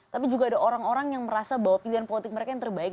tapi juga ada orang orang yang merasa bahwa pilihan politik mereka yang terbaik